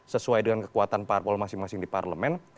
sesuai dengan kekuatan parpol masing masing di parlemen